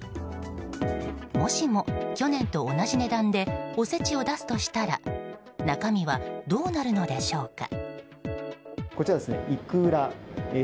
もしも、去年と同じ値段でおせちを出すとしたら中身はどうなるのでしょうか。